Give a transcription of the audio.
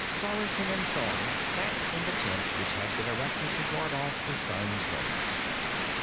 Sorensen and Thorn sat in the tent which had been erected to ward off the sun's rays.